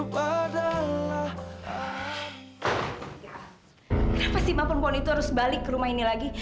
kenapa sih mbak perempuan itu harus balik ke rumah ini lagi